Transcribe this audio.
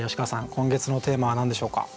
今月のテーマは何でしょうか？